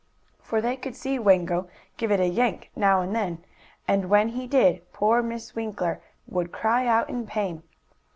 For they could see Wango give it a yank now and then, and, when he did, poor Miss Winkler would cry out in pain.